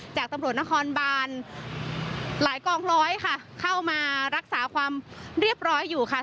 จากตำรวจนครบานหลายกองร้อยค่ะเข้ามารักษาความเรียบร้อยอยู่ค่ะ